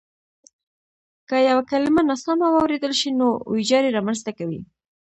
که یوه کلیمه ناسمه واورېدل شي نو وېجاړی رامنځته کوي.